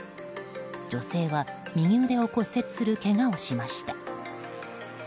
女性は右腕を骨折するけがをしました。